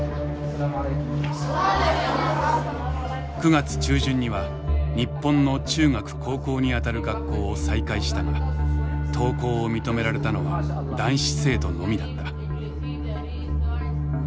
９月中旬には日本の中学高校にあたる学校を再開したが登校を認められたのは男子生徒のみだった。